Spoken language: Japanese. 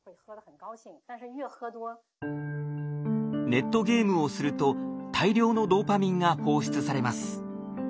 ネットゲームをすると大量のドーパミンが放出されます。